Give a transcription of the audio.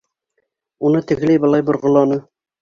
Уны тегеләй-былай борғоланы.